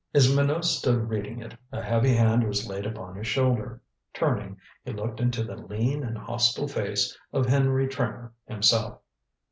As Minot stood reading it, a heavy hand was laid upon his shoulder. Turning, he looked into the lean and hostile face of Henry Trimmer himself.